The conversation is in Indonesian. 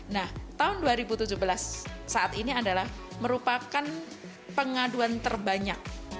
nah tahun dua ribu tujuh belas saat ini adalah merupakan pengaduan terbanyak